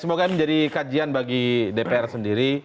semoga ini menjadi kajian bagi dpr sendiri